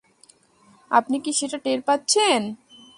আপনি কি সেটা টের পাচ্ছেন?